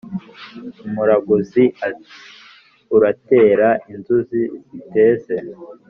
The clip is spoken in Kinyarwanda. umuraguzi ati"uratera inzuzi ziteze?"